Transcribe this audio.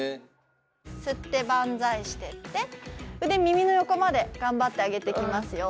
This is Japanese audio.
吸ってバンザイしていって腕耳の横まで頑張って上げていきますよ。